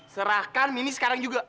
serahkan mini sekarang juga